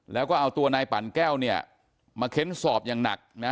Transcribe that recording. แล้วก็เอาตัวนายปั่นแก้วเนี่ยมาเค้นสอบอย่างหนักนะ